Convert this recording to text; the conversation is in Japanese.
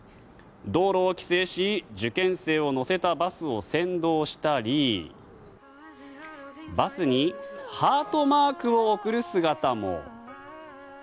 道路を規制し受験生を乗せたバスを先導したりバスにハートマークを送る姿も。